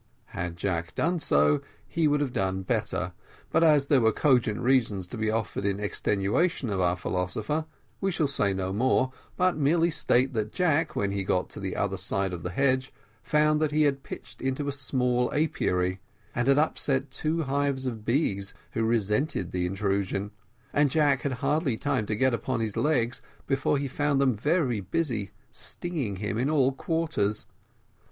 Had Jack done so, he would have done better; but as there were cogent reasons to be offered in extenuation of our philosopher, we shall say no more, but merely state that Jack, when he got on the other side of the hedge, found that he had pitched into a small apiary, and had upset two hives of bees, who resented the intrusion; and Jack had hardly time to get upon his legs before he found them very busy stinging him in all quarters.